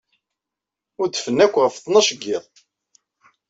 Udfen akk ɣef ttnac n yiḍ.